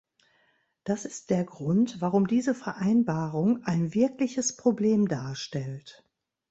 Das ist der Grund, warum diese Vereinbarung ein wirkliches Problem darstellt.